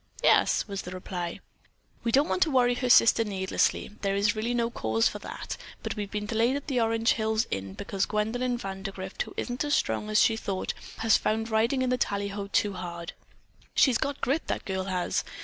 "Yes," was the reply. "We don't want to worry her sister needlessly. There really is no cause for that, but we've been delayed at the Orange Hills Inn because Gwendolyn Vandergrift, who isn't as strong as she thought, has found riding in the tallyho too hard. She's got grit, that girl has!